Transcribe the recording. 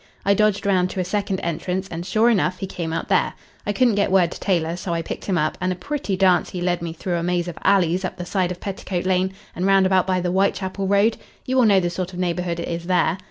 I dodged round to a second entrance and, sure enough, he came out there. I couldn't get word to Taylor, so I picked him up, and a pretty dance he led me through a maze of alleys up the side of Petticoat Lane and round about by the Whitechapel Road. You will know the sort of neighbourhood it is there.